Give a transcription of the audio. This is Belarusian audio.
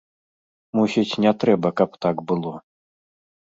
Мусіць, не трэба, каб так было.